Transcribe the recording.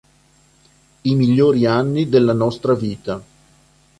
I migliori anni della nostra vita